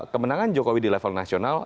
kemenangan jokowi di level nasional